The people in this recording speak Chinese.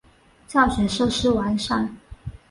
教学设施完善。